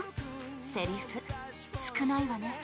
セリフ少ないわね。